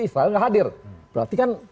israel tidak hadir berarti kan